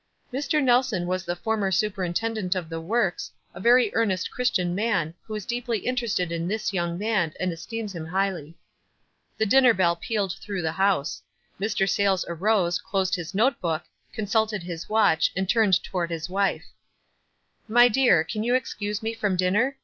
"Mr. Nelson was the former superintendent of the works, a very earnest Christian man, who is deeply interested in this young man, and es teems him highly." The dinner bell pealed through the house. Mr. Sayles arose, closed his note book, con sulted his watch, and turned toward his wife. "My dear, can you excuse me from dinner?